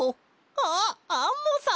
あっアンモさん！